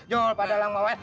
jor padahal mau awet